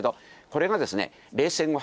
これが冷戦後